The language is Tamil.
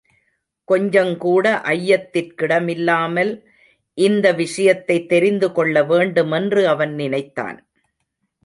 கொஞ்சங்கூட ஐயத்திற் கிடமில்லாமல் இந்த விஷயத்தைத் தெரிந்துகொள்ள வேண்டுமென்று அவன் நினைத்தான்.